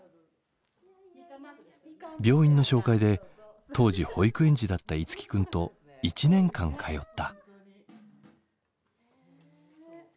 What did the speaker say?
病院の紹介で当時保育園児だった樹君と１年間通った。